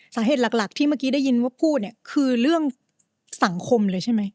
สาเหตุหลักที่เมื่อกี้ได้ยินว่าพูดเนี่ยคือเรื่องสังคมเลยใช่ไหม